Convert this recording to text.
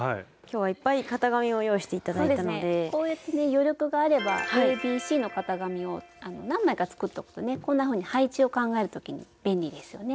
余力があればＡＢＣの型紙を何枚か作っておくとねこんなふうに配置を考える時に便利ですよね。